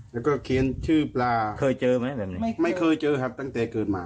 แล้วก็เขียนชื่อปลาไม่เคยเจอครับตั้งแต่เกิดมา